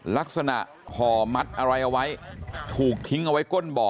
ห่อมัดอะไรเอาไว้ถูกทิ้งเอาไว้ก้นบ่อ